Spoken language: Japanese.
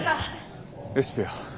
レシピは？